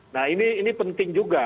nah ini penting juga